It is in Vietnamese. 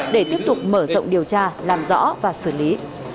để tiếp tục mở rộng điều tra làm rõ và xử lý